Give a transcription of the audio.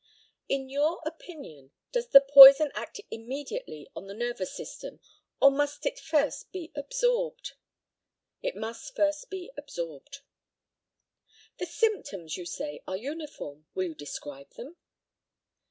In your opinion, does the poison act immediately on the nervous system, or must it first be absorbed? It must first be absorbed. The symptoms, you say, are uniform. Will you describe them?